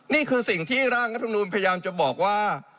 นี่คือสิ่งที่ร่างรัฐมนูลพยายามจะบอกว่า